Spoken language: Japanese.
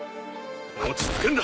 落ち着くんだ！